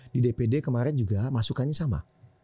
di dpd kemarin juga masukannya sama